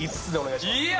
いや